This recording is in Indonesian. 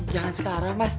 jangan sekarang mas